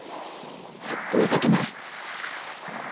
ほんと情けない。